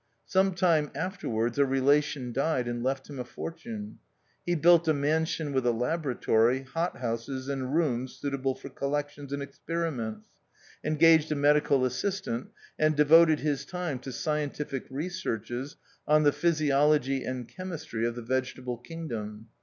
Some time after wards a relation died and left him a fortune. He built a mansion with a laboratory, hot houses, and rooms suitable for collections and experiments, engaged a medical assist ant, and devoted his time to scientific researches on the physiology and chem istry of the vegetable kingdom.